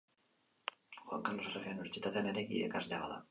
Joan Karlos Erregea Unibertsitatean ere irakaslea bada.